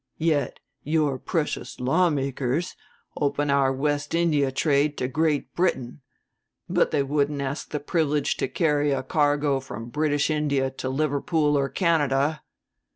Yet your precious lawmakers open our West India trade to Great Britain, but they wouldn't ask the privilege to carry a cargo from British India to Liverpool or Canada."